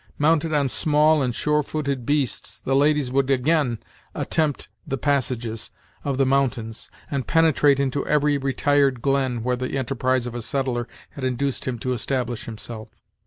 Mounted on small and sure footed beasts, the ladies would again attempt the passages of the mountains and penetrate into every retired glen where the enterprise of a settler had induced him to establish himself.